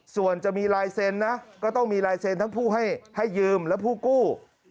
ส่วนจะมีลายเซ็นนะก็ต้องมีลายเซ็นทั้งผู้ให้ยืมและผู้กู้